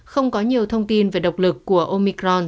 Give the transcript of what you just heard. không có nhiều thông tin về độc lực của omicron